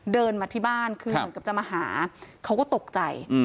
เดินมาที่บ้านคือเหมือนกับจะมาหาเขาก็ตกใจ